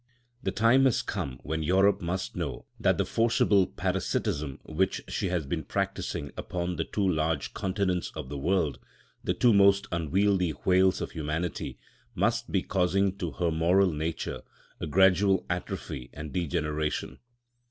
The time has come when Europe must know that the forcible parasitism which she has been practising upon the two large Continents of the world—the two most unwieldy whales of humanity—must be causing to her moral nature a gradual atrophy and degeneration.